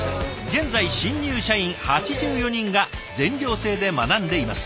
現在新入社員８４人が全寮制で学んでいます。